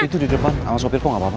itu di depan sama sopir kok gak apa apa